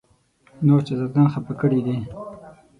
نور شهزاده ګان خپه کړي دي.